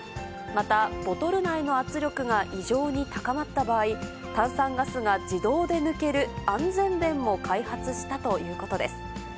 また、ボトル内の圧力が異常に高まった場合、炭酸ガスが自動で抜ける安全弁も開発したということです。